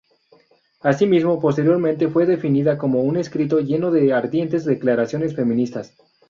Asimismo, posteriormente fue definida como un escrito lleno de "ardientes declaraciones feministas".